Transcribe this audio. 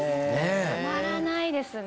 たまらないですね。